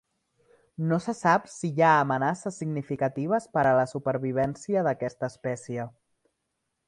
No se sap si hi ha amenaces significatives per a la supervivència d'aquesta espècie.